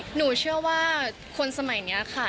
หนูเชื่อว่าคนสมัยนี้ค่ะ